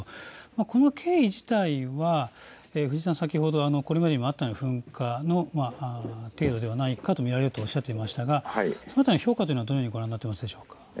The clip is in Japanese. この経緯自体は先ほどこれまでにあったような噴火の程度ではないかと見られるとおっしゃっていましたがその辺りの評価はどうご覧になっていますか。